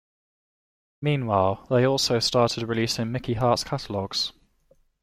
Meanwhile, they also started releasing Mickey Hart's catalogs.